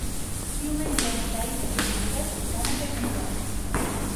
Diumenge na Thaís i en Josep van a Canyelles.